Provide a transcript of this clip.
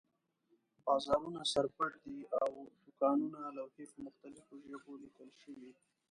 بازارونه سر پټ دي او د دوکانونو لوحې په مختلفو ژبو لیکل شوي.